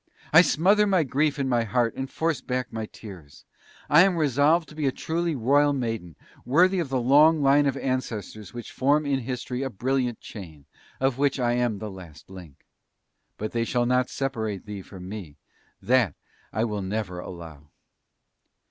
I smother my grief in my heart, and force back my tears. I am resolved to be a truly Royal maiden, worthy of the long line of ancestors which form in history a brilliant chain, of which I am the last link. But they shall not separate thee from me.... That I will never allow!"